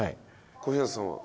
小日向さんは？